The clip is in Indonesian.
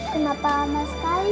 kenapa lama sekali